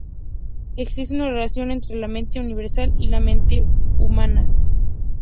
Existe una relación entre la mente universal y la mente humana.